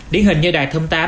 điển hình như đài thơm tám